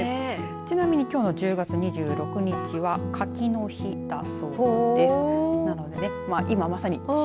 ちなみに、きょうの１０月２６日は柿の日だそうです。